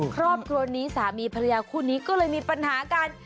ครอบครัวนี้สามีภรรยาคู่นี้ก็เลยมีปัญหากัน